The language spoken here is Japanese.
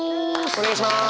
お願いします。